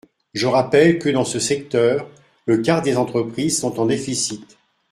Je rappelle que, dans ce secteur, le quart des entreprises sont en déficit.